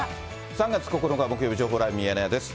３月９日木曜日、情報ライブミヤネ屋です。